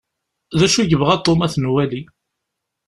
D acu i yebɣa Tom ad t-nwali?